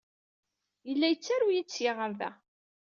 Yella yettaru-yi-d sya ɣer da.